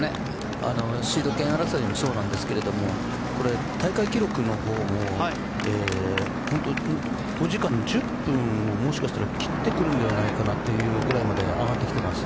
シード権争いもそうなんですけどこれ、大会記録のほうも５時間１０分をもしかしたら切ってくるんじゃないかというぐらいまで上がってきています。